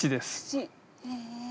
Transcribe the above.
へえ。